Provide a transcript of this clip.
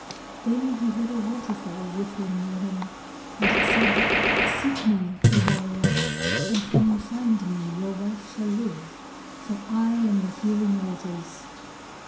Then he heard a waterfall rippling near him and it said, "Seek me, O warrior, and when you find me your wife shall live, for I am the Healing Waters."